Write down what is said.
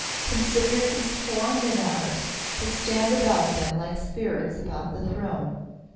Consider these four minars that stand about them like Spirits about the Throne.